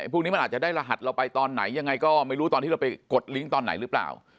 พวกนี้มันอาจจะได้รหัสเราไปตอนไหนยังไงก็ไม่รู้ตอนที่เราไปกดลิงก์ตอนไหนหรือเปล่า